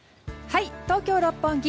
東京・六本木